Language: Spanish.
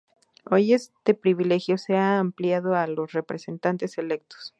Hoy este privilegio se ha ampliado a los representantes electos.